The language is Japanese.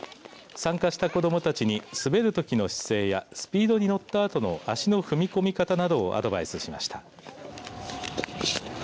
参加した子どもたちに滑るときの姿勢や乗ったあとの足の踏み込み方などを学びました。